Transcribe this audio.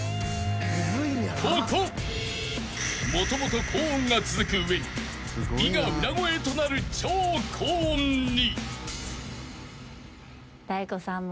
［もともと高音が続く上に「い」が裏声となる超高音に］